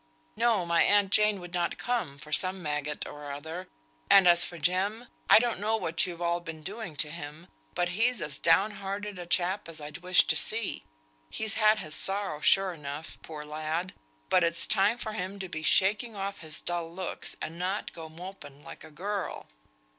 "No! My aunt Jane would not come for some maggot or other; and as for Jem! I don't know what you've all been doing to him, but he's as down hearted a chap as I'd wish to see. He's had his sorrows sure enough, poor lad! But it's time for him to be shaking off his dull looks, and not go moping like a girl."